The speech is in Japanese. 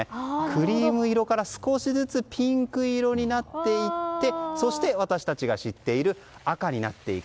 クリーム色から少しずつピンク色になっていってそして私たちが知っている赤になっていく。